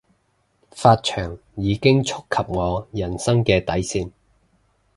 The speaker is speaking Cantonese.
髮長已經觸及我人生嘅底線